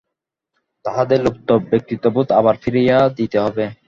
তাহাদের লুপ্ত ব্যক্তিত্ববোধ আবার ফিরাইয়া দিতে হইবে।